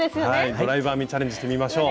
ドライブ編みチャレンジしてみましょう。